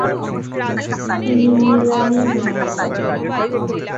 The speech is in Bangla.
তিনি মিলানে মারা যান।